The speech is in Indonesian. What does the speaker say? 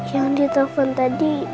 yang ditelepon tadi